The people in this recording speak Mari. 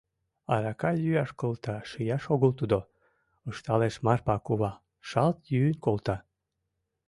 — Арака йӱаш кылта шияш огыл тудо, — ышталеш Марпа кува, шалт йӱын колта.